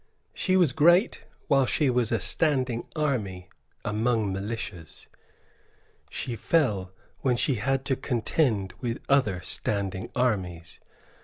She was great while she was a standing army among militias. She fell when she had to contend with other standing armies.